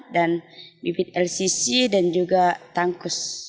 dan bibit lcc dan juga tangkus